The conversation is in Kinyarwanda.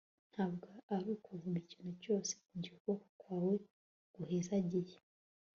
ntabwo ari ukuvuma ikintu cyose mugihe ukuboko kwawe guhezagiye